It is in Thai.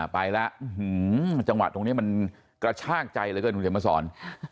ไปแล้วจังหวะตรงนี้มันกระชากใจเลยเดี๋ยวมาสอน